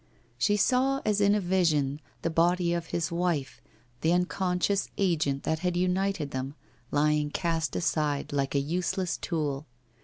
... 286 WHITE ROSE OF WEARY LEAF She saw as in a vision the body of his wife, the un conscious agent that had united them, lying cast aside, like a useless tool.